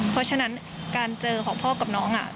เพราะฉะนั้นการเจอของพ่อกับน้อง